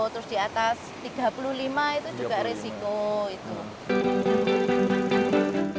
terus di atas tiga puluh lima itu juga risiko itu